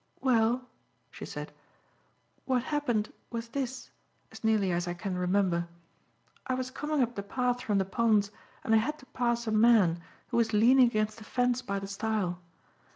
"Well," she said, "what happened was this as nearly as I can remember: I was coming up the path from the ponds and I had to pass a man who was leaning against the fence by the stile.